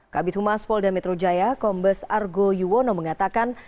kabit humas polda metro jaya kombes argo yuwono mengatakan